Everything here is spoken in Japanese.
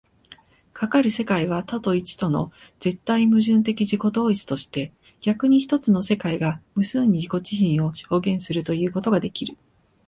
かかる世界は多と一との絶対矛盾的自己同一として、逆に一つの世界が無数に自己自身を表現するということができる。